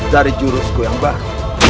dari jurusku yang baru